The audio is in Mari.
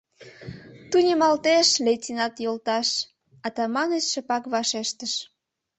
Тунемалтеш, лейтенант йолташ, — Атаманыч шыпак вашештыш.